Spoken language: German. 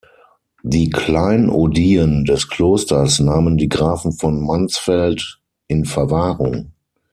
Die Kleinodien des Klosters nahmen die Grafen von Mansfeld in Verwahrung.